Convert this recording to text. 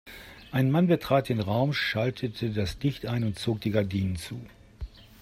Ein Mann betrat den Raum, schaltete das Licht ein und zog die Gardinen zu.